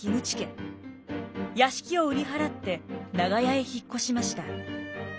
屋敷を売り払って長屋へ引っ越しました。